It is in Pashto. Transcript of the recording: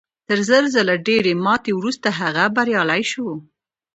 تر زر ځله ډېرې ماتې وروسته هغه بریالی شو